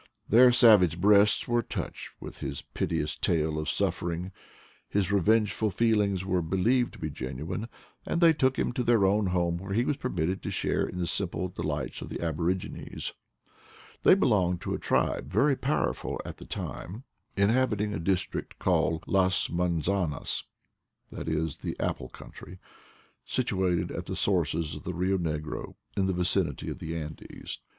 Their savage breasts were touched with his pite ous tale of sufferings; his revengeful feelings were believed to be genuine, and they took him to their own home, where he was permitted to share in the simple delights of the aborigines. They be longed to a tribe very powerful at that time, in 3 2 ••••••"•"•••••••#" LIFE IN PATAGONIA 103 habiting a district called Las Manzanas — that is, the Apple Country — situated at the sources of the Eio Negro in the vicinity of the Andes.